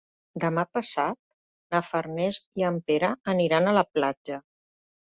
Demà passat na Farners i en Pere aniran a la platja.